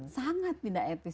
banyak benda etis